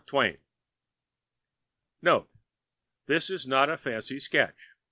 LUCK (NOTE.—This is not a fancy sketch.